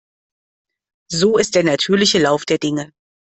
So ist der natürliche Lauf der Dinge.